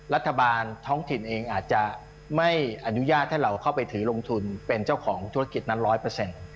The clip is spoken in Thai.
รัฐบาลท้องถิ่นเองอาจจะไม่อนุญาตให้เราเข้าไปถือลงทุนเป็นเจ้าของธุรกิจนั้นร้อยเปอร์เซ็นต์